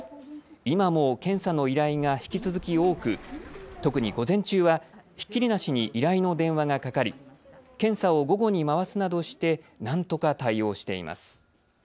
今も検査の依頼が引き続き多く特に午前中はひっきりなしに依頼の電話がかかり検査を午後に回すなどしてなんとか対応しています。